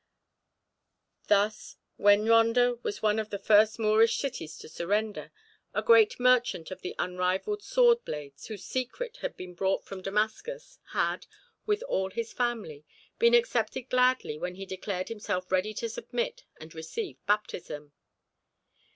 Thus, when Ronda was one of the first Moorish cities to surrender, a great merchant of the unrivalled sword blades whose secret had been brought from Damascus, had, with all his family, been accepted gladly when he declared himself ready to submit and receive baptism.